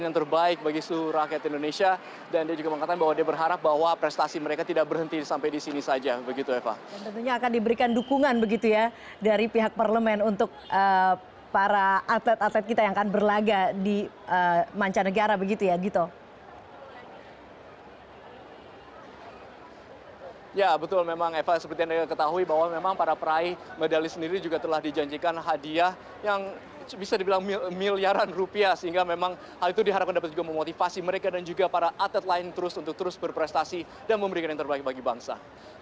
yang bisa dibilang miliaran rupiah sehingga memang hal itu diharapkan dapat juga memotivasi mereka dan juga para atlet lain terus untuk terus berprestasi dan memberikan yang terbaik bagi bangsa